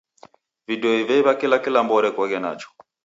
Vidoi veiw'a kila kilambo orekoghe nacho.